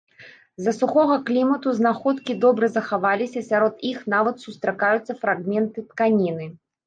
З-за сухога клімату знаходкі добра захаваліся, сярод іх нават сустракаюцца фрагменты тканіны.